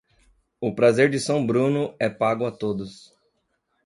O prazer de São Bruno é pago a todos.